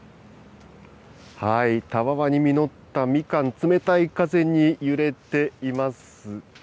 たわわに実ったみかん、冷たい風に揺れています。